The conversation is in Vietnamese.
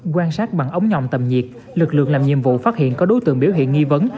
quan sát bằng ống nhòm tầm nhiệt lực lượng làm nhiệm vụ phát hiện có đối tượng biểu hiện nghi vấn